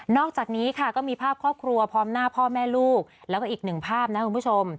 อกจากนี้ค่ะก็มีภาพครอบครัวพร้อมหน้าพ่อแม่ลูกแล้วก็อีกหนึ่งภาพนะคุณผู้ชม